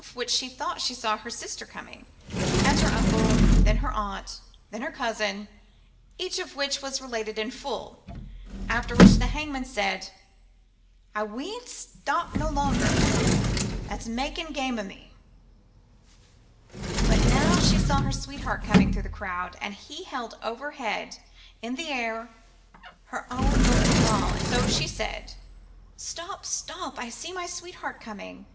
286 The Philosopher's Stone self because she thought she saw her sister coming, and her uncle, then her aunt, then her cousin, each of which was related in full 'y after which the hang man said, * I wee nt stop no longer, tha's making gam o' me.' But now she saw her sweetheart com ing through the crowd, and he held overhead i' t' air her own golden ball ; so she said —' Stop, stop, I see my sweetheart coming